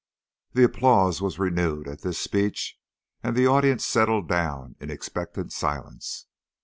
The applause was renewed at this speech, and the audience settled down in expectant silence.